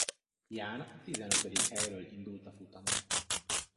Jan a tizenötödik helyről indult a futamon.